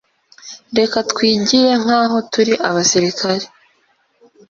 Reka twigire nkaho turi abasirikare